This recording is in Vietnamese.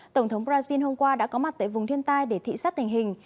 tổng thống brazil hôm qua đã có mặt tại vùng thiên tai để thị sát tình hình